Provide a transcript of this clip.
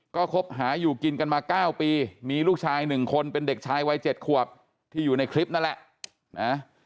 ก็คบหาอยู่กินกันมา๙ปีมีลูกชาย๑คนเป็นเด็กชายวัย๗ขวบที่อยู่ในคลิปนั่นแหละนะ